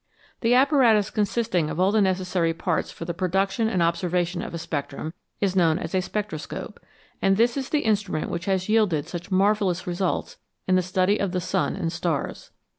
The apparatus consisting of all the necessary parts for the production and observation of a spectrum is known as a spectroscope, and this is the instrument which has yielded such marvellous results in the study of the sun and stars.